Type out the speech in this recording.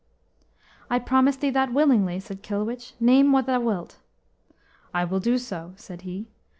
"I promise thee that willingly," said Kilwich; "name what thou wilt." "I will do so," said he.